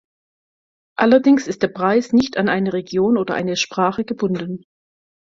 Allerdings ist der Preis nicht an eine Region oder eine Sprache gebunden.